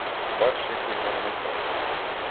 Бач, який гарний край!